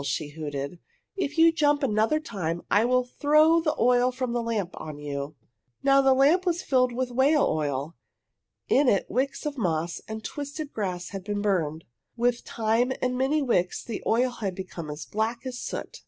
she hooted. "If you jump another time I will throw the oil from the lamp on you!"' Now the lamp was filled with whale oil. In it wicks of moss and twisted grass had been burned. With time and many wicks the oil had become as black as soot.